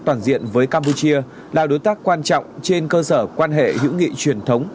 toàn diện với campuchia là đối tác quan trọng trên cơ sở quan hệ hữu nghị truyền thống